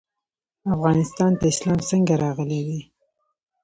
افغانستان ته اسلام څنګه راغلی دی؟